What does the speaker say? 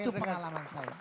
itu pengalaman saya